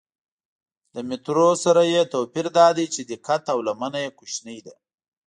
له مترونو سره یې توپیر دا دی چې دقت او لمنه یې کوچنۍ ده.